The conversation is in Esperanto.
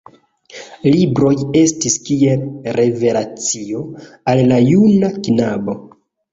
Libroj estis kiel revelacio al la juna knabo.